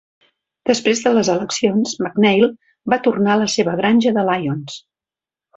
Després de les eleccions, McNeil va tornar a la seva granja de Lyons.